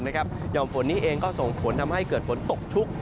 ห่อมฝนนี้เองก็ส่งผลทำให้เกิดฝนตกชุก